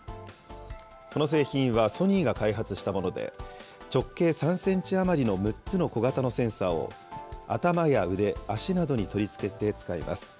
この製品はソニーが開発したもので、直径３センチ余りの６つの小型のセンサーを、頭や腕、足などに取り付けて使います。